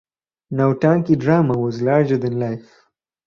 Nautanki drama was larger than life.